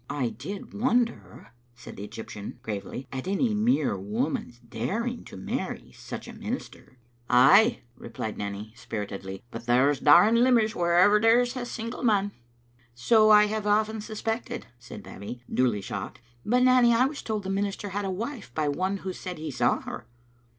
"I did wonder," said the Egyptian, gravely, "at any mere woman's daring to marry such a minister." Digitized by VjOOQ IC Id8 tbe littte jfl6ini0tet. "Ay," replied Nanny, spiritedly, "but tliere*s dattr ing limmers wherever there's a single man." "So I have often suspected," said Babbie, duly shocked. " But, Nanny, I was told the minister had a wife, by one who said he saw her."